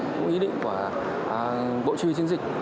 cũng như ý định của bộ chí huy chiến dịch